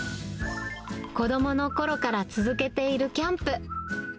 子どものころから続けているキャンプ。